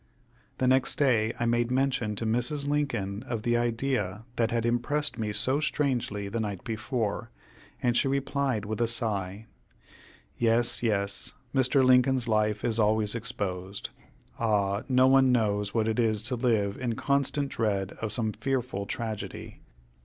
The next day, I made mention to Mrs. Lincoln of the idea that had impressed me so strangely the night before, and she replied with a sigh: "Yes, yes, Mr. Lincoln's life is always exposed. Ah, no one knows what it is to live in constant dread of some fearful tragedy.